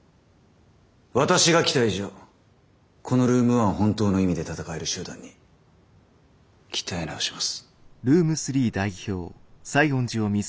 私が来た以上このルーム１を本当の意味で闘える集団に鍛え直します。